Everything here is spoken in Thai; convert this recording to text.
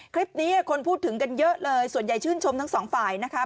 คลิปนี้คนพูดถึงกันเยอะเลยส่วนใหญ่ชื่นชมทั้งสองฝ่ายนะคะ